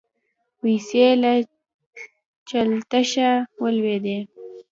پیسې له چلښته ولوېدې.